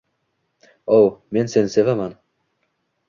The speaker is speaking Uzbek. O, men seni sevaman